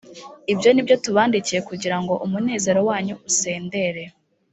ibyo ni byo tubandikiye kugira ngo umunezero wanyu usendere